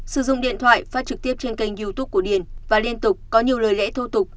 sử dụng điện thoại phát trực tiếp trên kênh youtube của điền và liên tục có nhiều lời lẽ thô tục